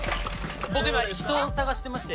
僕今人を捜してまして。